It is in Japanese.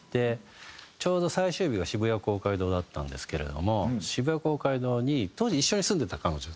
ちょうど最終日が渋谷公会堂だったんですけれども渋谷公会堂に当時一緒に住んでた彼女。